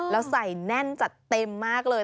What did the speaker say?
แล้วใส่แน่นจัดเต็มมากเลย